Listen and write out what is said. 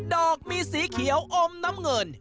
ดอกมีสีเขียวอมน้ำเงิน